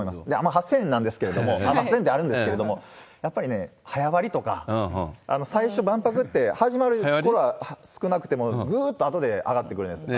８０００円なんですけれども、８０００円ではあるんですけれども、やっぱりね、早割とか、最初、万博って、始まるころは少なくても、ぐーっとあとで上がってくるんです。